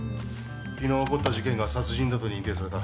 昨日起こった事件が殺人だと認定された。